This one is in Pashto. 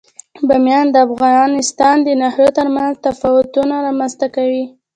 بامیان د افغانستان د ناحیو ترمنځ تفاوتونه رامنځ ته کوي.